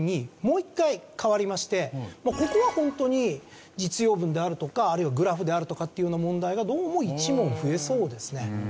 ここはホントに実用文であるとかあるいはグラフであるとかっていうような問題がどうも１問増えそうですね。